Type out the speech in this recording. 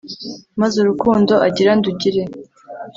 maze urukundo agira ndugire